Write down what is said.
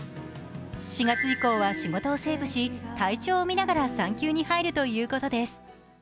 ４月以降は仕事をセーブし体調を見ながら産休に入るということです。